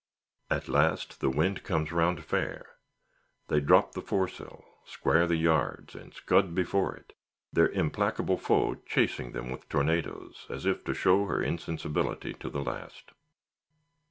At last, the wind comes round fair; they drop the foresail; square the yards, and scud before it; their implacable foe chasing them with tornadoes, as if to show her insensibility to the last.